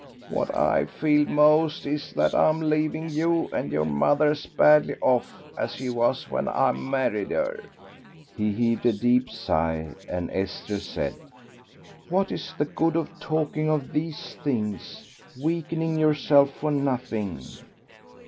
What I feel most is that I'm leaving you and your mother as badly off as she was when I married her." He heaved a deep sigh, and Esther said "What is the good of talking of these things, weakening yourself for nothing?"